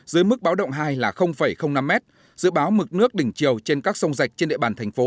dưới mức báo động hai là năm m dự báo mực nước đỉnh chiều trên các sông rạch trên địa bàn thành phố